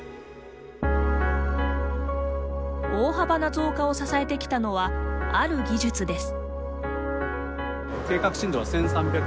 大幅な増加を支えてきたのはある技術です。